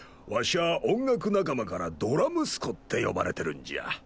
わしゃ音楽仲間からドラムスコって呼ばれてるんじゃ。